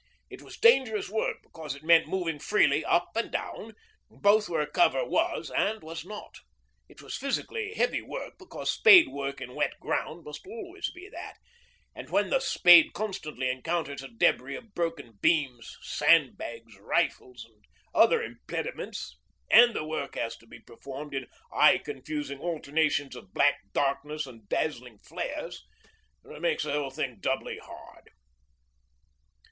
It was dangerous work because it meant moving freely up and down, both where cover was and was not. It was physically heavy work because spade work in wet ground must always be that; and when the spade constantly encounters a debris of broken beams, sandbags, rifles, and other impediments, and the work has to be performed in eye confusing alternations of black darkness and dazzling flares, it makes the whole thing doubly hard.